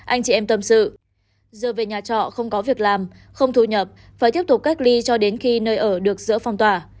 anh chị em tâm sự giờ về nhà trọ không có việc làm không thu nhập phải tiếp tục cách ly cho đến khi nơi ở được giữa phong tỏa